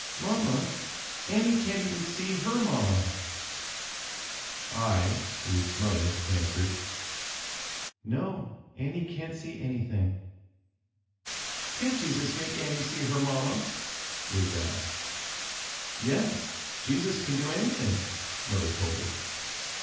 Mama, Annie can't even see her mama!" I (Ruth's mother) answered, "No, Annie can't see anything." "Can't Jesus make Annie see her mama?" Ruth asked. "Yes, Jesus can do anything," Mother told her.